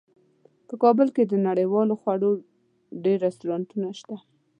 په کابل کې د نړیوالو خوړو ډیر رستورانتونه شته